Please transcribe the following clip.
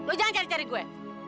lo jangan cari cari gue